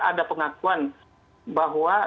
ada pengakuan bahwa